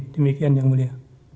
demikian yang mulia